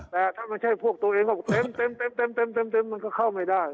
แต่ถ้าไม่ใช่พวกตัวเองก็เต็มมันก็เข้าไม่ได้